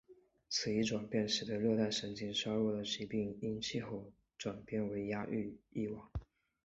此一转变使得热带神经衰弱的致病因由气候转变为压抑欲望。